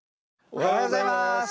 おはようございます！